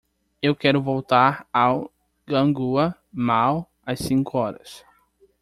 Eu quero voltar ao Guanghua Mall às cinco horas.